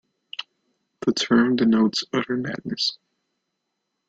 The term denotes utter madness.